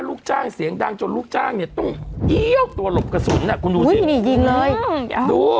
ลูกจ้างเสียงดังจนลูกจ้างเลย